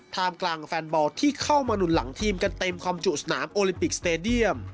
กลางแฟนบอลที่เข้ามาหนุนหลังทีมกันเต็มความจุสนามโอลิมปิกสเตดียม